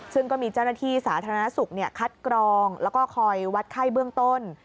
ซึ่งก็มีเจ้าหน้าที่สาธารณสุขคัดกรองแล้วก็คอยวัดไข้เบื้องต้น